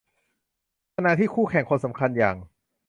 ขณะที่คู่แข่งคนสำคัญอย่าง